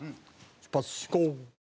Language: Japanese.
出発進行！